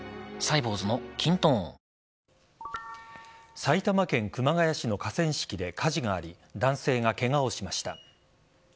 埼玉県熊谷市の河川敷で火事があり男性がケガをしました。